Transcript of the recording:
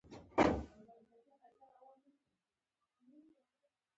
او په غلا مړه کیږو